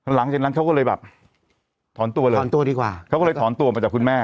หลังจากนั้นเขาก็เลยแบบถอนตัวเลยถอนตัวดีกว่าเขาก็เลยถอนตัวมาจากคุณแม่